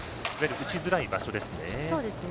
打ちづらい場所ですね。